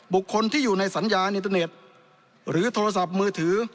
บุคคลที่อยู่ในสัญญาอินเทอร์เน็ตหรือโทรศัพท์มือถือ